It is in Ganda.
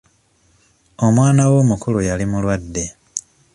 Omwano we omukulu yali mulwadde.